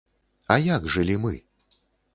А як жылі мы?